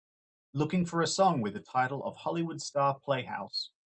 Looking for a song with the title of Hollywood Star Playhouse